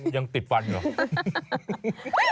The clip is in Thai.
ยังติดฟันเหรอ